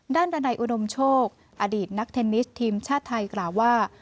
ด้านดันัยอุดมโชคอดีตนักเทนนิสทีมชาติไทยกล่าวว่า